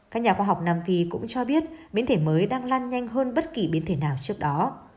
các nhà khoa học nam phi cũng cho biết biến thể mới đang lan nhanh hơn bất kỳ biến thể nào trước đó